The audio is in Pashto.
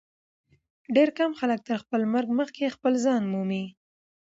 ډېر کم خلک تر خپل مرګ مخکي خپل ځان مومي.